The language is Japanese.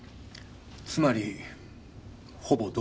つまりほぼ同時です。